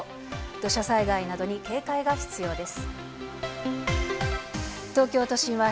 土砂災害などに警戒が必要です。